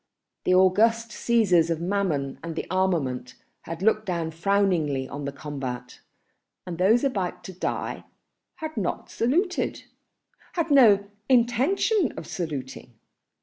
The august Cæsars of Mammon and armament had looked down frowningly on the combat, and those about to die had not saluted, had no intention of saluting.